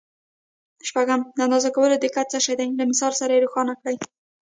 شپږم: د اندازه کولو دقت څه شی دی؟ له مثال سره یې روښانه کړئ.